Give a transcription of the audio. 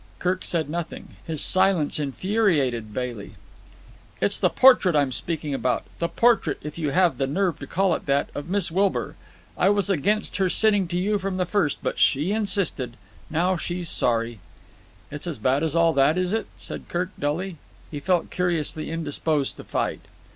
Kirk said nothing. His silence infuriated Bailey. "It's the portrait I'm speaking about—the portrait, if you have the nerve to call it that, of Miss Wilbur. I was against her sitting to you from the first, but she insisted. Now she's sorry." "It's as bad as all that, is it?" said Kirk dully. He felt curiously indisposed to fight.